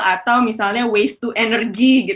atau misalnya waste to energy